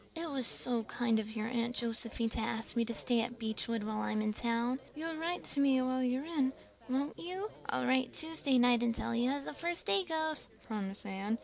It was so kind of your Aunt Josephine to ask me to stay at Beechwood while I'm in town." "You'll write to me while you're in, won't you?" "I'll write Tuesday night and tell you how the first day goes," promised Anne.